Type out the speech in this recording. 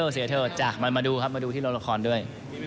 เสียเถอะจ้ะมันมาดูครับมาดูที่โรงละครด้วย